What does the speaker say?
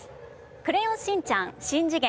「クレヨンしんちゃんしん次元！